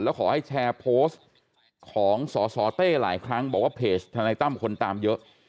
แล้วขอให้แชร์โพสต์ของสสเต้หลายครั้งบอกว่าเพจทนายตั้มคนตามเยอะ